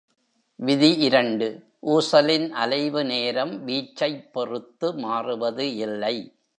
விதி இரண்டு ஊசலின் அலைவு நேரம் வீச்சைப் பொறுத்து மாறுவது இல்லை.